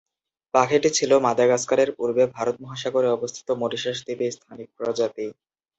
পাখিটি ছিল মাদাগাস্কারের পূর্বে ভারত মহাসাগরে অবস্থিত মরিশাস দ্বীপে স্থানিক প্রজাতি।